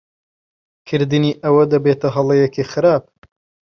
کردنی ئەوە دەبێتە ھەڵەیەکی خراپ.